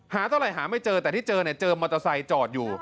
เท่าไหร่หาไม่เจอแต่ที่เจอเนี่ยเจอมอเตอร์ไซค์จอดอยู่